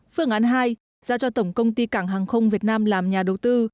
phương án hai ra cho tổng công ty cảng hàng không việt nam làm nhà đầu tư